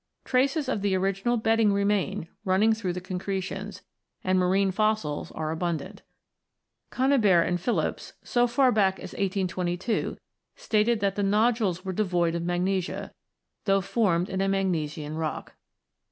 Traces of the original bedding remain, running through the concretions, and marine fossils are abundant. Conybeare and Phillips, so far back as 1822, stated that the nodules were devoid of magnesia, though formed in a magnesian rock.